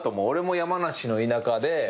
俺も山梨の田舎で。